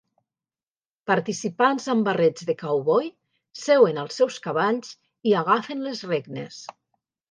Participants amb barrets de cowboy seuen als seus cavalls i agafen les regnes